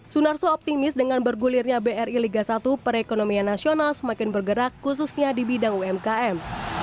sunarso optimis dengan bergulirnya bri liga satu perekonomian nasional semakin bergerak khususnya di bidang umkm